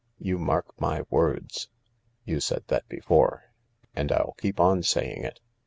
You mark my words ..."" You said that before." " And I'll keep on saying it